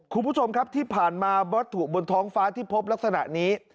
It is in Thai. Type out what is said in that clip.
คุณผู้ชมครับที่ผ่านมาวัตถุบนท้องฟ้าที่พบลักษณะนี้